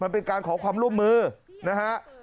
มันเป็นการขอความร่วมมือนะฮะ